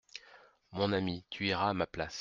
Mon ami, tu iras à ma place.